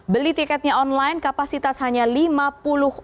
beli tiketnya online kapasitas hanya lima puluh